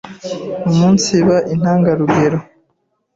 umunsiba intangarugero: